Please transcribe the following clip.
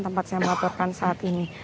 tempat saya melaporkan saat ini